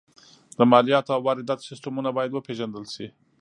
د مالیاتو او وارداتو سیستمونه باید وپېژندل شي